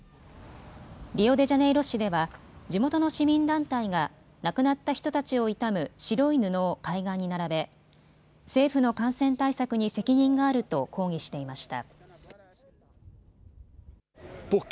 リオデジャネイロ市では地元の市民団体が、亡くなった人たちを悼む白い布を海岸に並べ政府の感染対策に責任があると抗議していました。